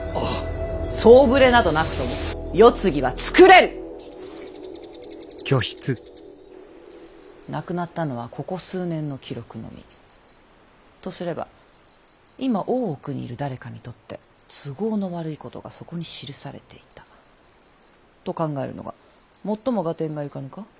総触れなどなくとも世継ぎは作れる！なくなったのはここ数年の記録のみ。とすれば今大奥にいる誰かにとって都合の悪いことがそこに記されていたと考えるのがもっとも合点がゆかぬか？